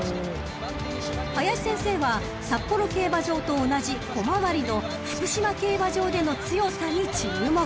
［林先生は札幌競馬場と同じ小回りの福島競馬場での強さに注目］